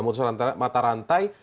mutus mata rantai